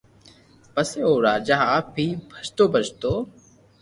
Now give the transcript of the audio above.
پسي او راجا آپ ھي ڀجتو ڀجتو